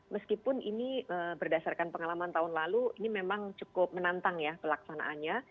meskipun ini berdasarkan pengalaman tahun lalu ini memang cukup menantang ya pelaksanaannya